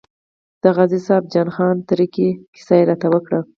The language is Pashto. د غازي صاحب جان خان تره کې کیسه یې راته وکړه.